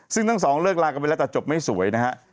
ซึ่งทั้งสองเลิกลากันไปแล้วแต่จบไม่สวยนะฮะ